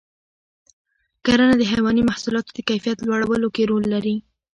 کرنه د حیواني محصولاتو د کیفیت لوړولو کې رول لري.